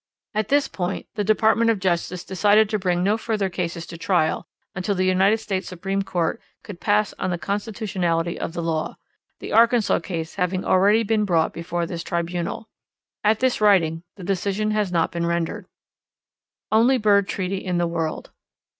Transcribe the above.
At this point the Department of Justice decided to bring no further cases to trial until the United States Supreme Court should pass on the constitutionality of the law, the Arkansas case having already been brought before this tribunal. At this writing the decision has not been rendered. _Only Bird Treaty in the World.